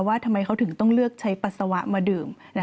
ว่าทำไมเขาถึงต้องเลือกใช้ปัสสาวะมาดื่ม